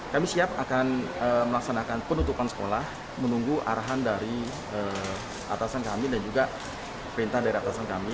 kami siap akan melaksanakan penutupan sekolah menunggu arahan dari atasan kami dan juga perintah dari atasan kami